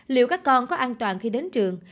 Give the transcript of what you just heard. liệu các con có an toàn khi đến trường